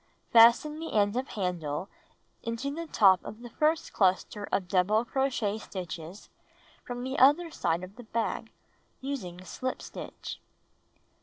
Fasten the end of handle into the top of the fii'st cluster of double crochet stitches from the other side of the bag, using slip stitch.